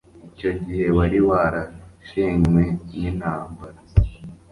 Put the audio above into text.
icyo gihe wari warashenywe n intambara